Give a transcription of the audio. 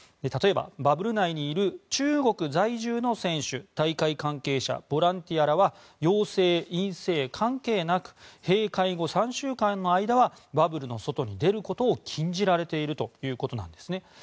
例えばバブル内にいる中国在住の選手大会関係者、ボランティアらは陽性、陰性関係なく閉会後３週間の間はバブルの外に出ることを禁じられているということなんですね。